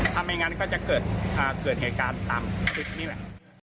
ถ้าไม่งั้นก็จะเกิดเหตุการณ์ตามคลิปนี้แหละ